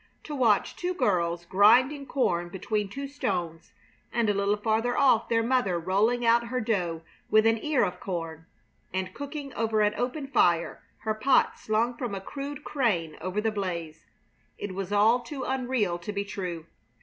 To watch two girls grinding corn between two stones, and a little farther off their mother rolling out her dough with an ear of corn, and cooking over an open fire, her pot slung from a crude crane over the blaze it was all too unreal to be true.